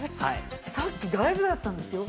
さっきだいぶだったんですよ。